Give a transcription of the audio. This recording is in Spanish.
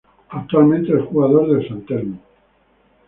Actualmente es Jugador del San Telmo.